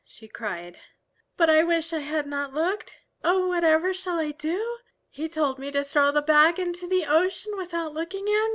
she cried. "But I wish I had not looked. Oh, whatever shall I do? He told me to throw the bag into the ocean without looking in.